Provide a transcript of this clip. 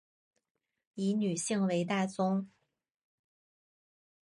以女性为大宗